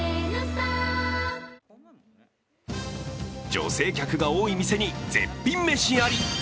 女性客が多い店に絶品めしあり。